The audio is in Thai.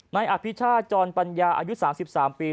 นายอภิชาจรปัญญาอายุ๓๓ปี